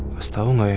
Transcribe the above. kasih tau gak ya